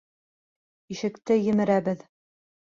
Ишекте емерәбеҙ.